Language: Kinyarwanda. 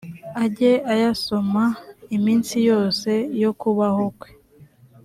ajye ayasoma iminsi yose y’ukubaho kwe,